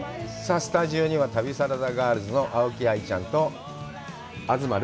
スタジオには旅サラダガールズの青木愛ちゃんと東留